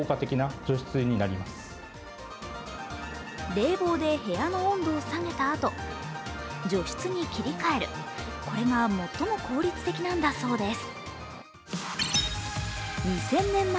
冷房で部屋の温度を下げたあと、除湿に切り替える、これが最も効率的なんだそうです。